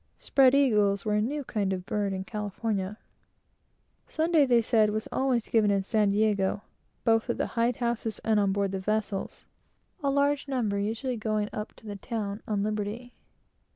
"Spread eagles" were a new kind of bird in California. Sunday, they said, was always given in San Diego, both at the hide houses and on board the vessels, a large number usually going up to the town, on liberty.